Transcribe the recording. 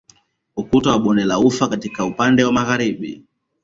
Ukuta wa bonde la ufa katika upande wa Magharibi